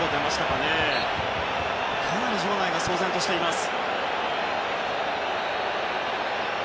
かなり場内が騒然としています。